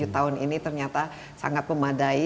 tahun ini ternyata sangat memadai